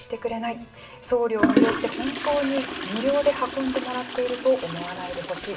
送料無料って本当に無料で運んでもらっていると思わないでほしい。